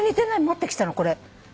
持ってきたのこれ。